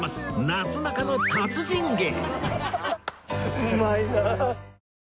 なすなかの達人芸